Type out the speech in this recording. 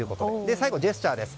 最後はジェスチャーです。